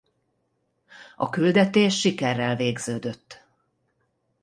A küldetés sikerrel végződött.